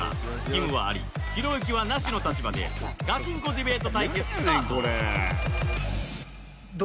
きむはアリひろゆきはナシの立場でガチンコディベート対決スタート